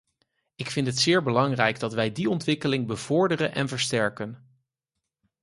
Ik vind het zeer belangrijk dat wij die ontwikkeling bevorderen en versterken.